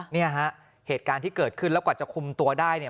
เนี่ยฮะเหตุการณ์ที่เกิดขึ้นแล้วกว่าจะคุมตัวได้เนี่ย